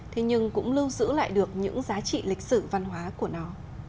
thế nhưng cũng lưu giữ lại được những giá trị lịch sử văn hóa của nó